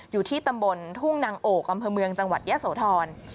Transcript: อยู่ที่ตำบลทุ่งนางโอกอำเภอเมืองจังหวัดยะโสธร